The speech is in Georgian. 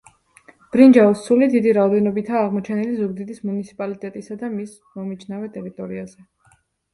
ბრინჯაოს ცული დიდი რაოდენობითაა აღმოჩენილი ზუგდიდის მუნიციპალიტეტისა და მის მომიჯნავე ტერიტორიაზე.